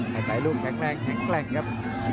อย่าไปร่วมแข็งแรงครับ